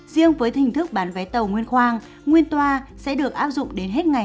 riêng với hình thức bán vé tàu nguyên khoang nguyên toa sẽ được áp dụng đến hết ngày hai mươi tám hai hai nghìn hai mươi